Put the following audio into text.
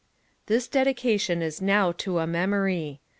'' This dedication is now to a memory.